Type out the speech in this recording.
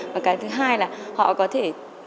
và cái thứ hai là họ có thể